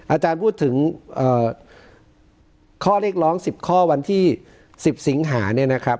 อาจารย์พูดถึงข้อเรียกร้อง๑๐ข้อวันที่๑๐สิงหาเนี่ยนะครับ